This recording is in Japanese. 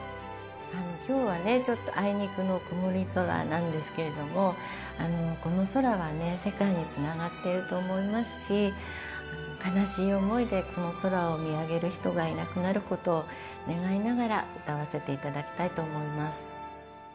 今日はねちょっとあいにくの曇り空なんですけれどもこの空は世界につながっていると思いますし、悲しい思いでこの空を見上げる人がいなくなることを願いながら歌わせていただきたいと思います。